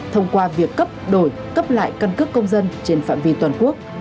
thông qua việc cấp đổi cấp lại căn cước công dân trên phạm vi toàn quốc